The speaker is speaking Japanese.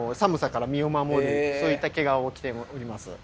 そういった毛皮を着ております。